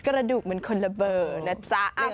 กระดูกมันคนละเบอร์นะจ๊ะ